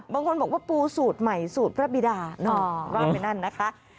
บางคนบอกว่าปูสูตรใหม่สูตรพระบิดารามินั่นนะคะ